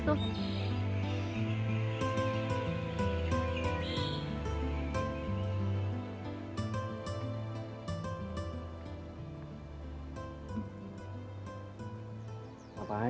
nggak ada apa apa